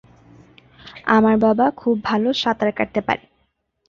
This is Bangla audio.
আমার বাবা খুব ভাল সাঁতার কাটতে পারে।